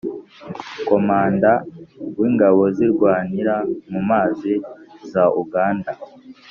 komanda w'ingabo zirwanira mu mazi za uganda